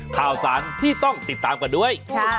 ข่าวสารที่ต้องติดตามกันด้วย